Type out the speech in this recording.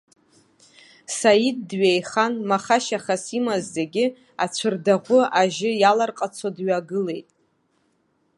Саид дҩеихан, маха-шьахас имаз зегьы ацәырдаӷәы ажьы иаларҟацо дҩагылеит.